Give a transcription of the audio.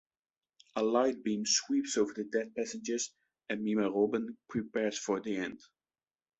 A light beam sweeps over the dead passengers and Mimaroben prepares for the end.